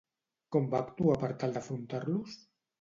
Com va actuar per tal d'afrontar-los?